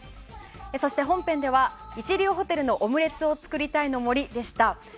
そして本編では一流ホテルのオムレツを作りたいの森でした。